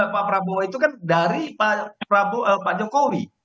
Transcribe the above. pak prabowo itu kan dari pak jokowi